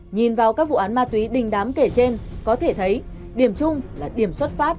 nhìn vào các vụ án ma túy đình đám kể trên có thể thấy điểm chung là điểm xuất phát